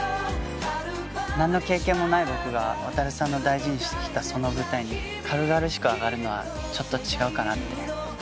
なんの経験もない僕が渉さんの大事にしてきたその舞台に軽々しく上がるのはちょっと違うかなって。